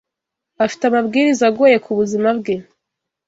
afite amabwiriza agoye ku buzima bwe,